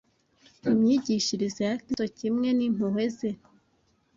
Imyigishirize ya Kristo, kimwe n’impuhwe ze